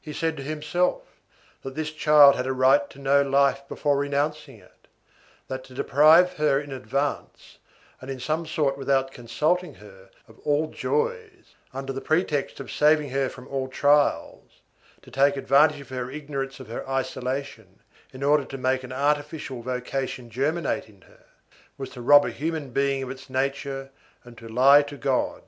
He said to himself, that this child had a right to know life before renouncing it, that to deprive her in advance, and in some sort without consulting her, of all joys, under the pretext of saving her from all trials, to take advantage of her ignorance of her isolation, in order to make an artificial vocation germinate in her, was to rob a human creature of its nature and to lie to God.